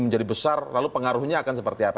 menjadi besar lalu pengaruhnya akan seperti apa